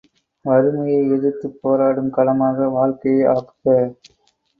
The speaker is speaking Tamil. வறுமையை எதிர்த்துப் போராடும் களமாக வாழ்க்கையை ஆக்குக!